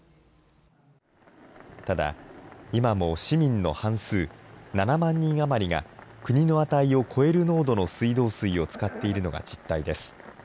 ただ、今も市民の半数・７万人余りが、国の値を超える濃度の水道水を使っているのが実態です。